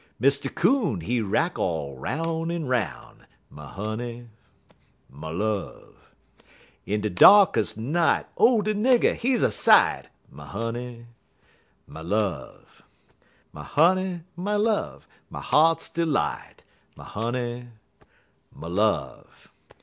Mister Coon, he rack all 'roun' en 'roun', My honey, my love! In de darkes' night, oh, de nigger, he's a sight! My honey, my love! My honey, my love, my heart's delight My honey, my love!